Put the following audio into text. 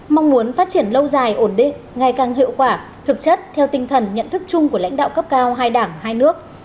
mong muốn phát triển lâu dài ổn định ngày càng hiệu quả thực chất theo tinh thần nhận thức chung của lãnh đạo cấp cao hai đảng hai nước